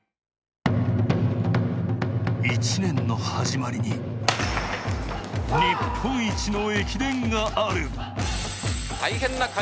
１年の始まりに、日本一の駅伝がある。